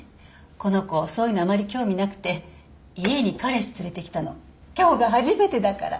この子そういうのあまり興味なくて家に彼氏連れてきたの今日が初めてだから。